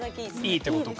いいってことか。